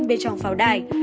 bên trong pháo đài